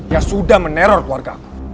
yang sudah meneror keluarga